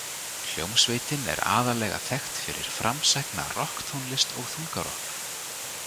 Hljómsveitin er aðallega þekkt fyrir framsækna rokktónlist og þungarokk.